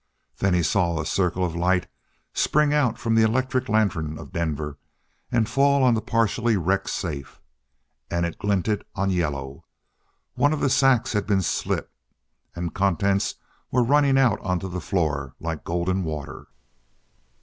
Then he saw a circle of light spring out from the electric lantern of Denver and fall on the partially wrecked safe. And it glinted on yellow. One of the sacks had been slit and the contents were running out onto the floor like golden water.